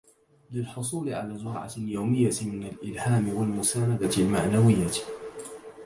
للحصول على جرعة يومية من الإلهام والمساندة المعنوية